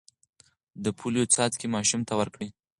د پولیو څاڅکي ماشوم ته ورکړئ.